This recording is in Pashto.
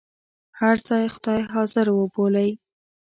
هر ځای خدای حاضر وبولئ.